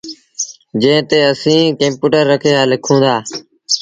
جݩهݩ تي اسيٚݩ ڪمپيوٽر رکي لکون دآ۔